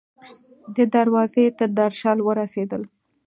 د دروازې تر درشل ورسیدل